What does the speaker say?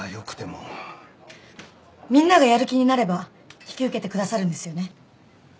みんながやる気になれば引き受けてくださるんですよね？